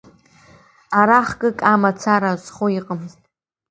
Ара хкык амацара азхо иҟамызт.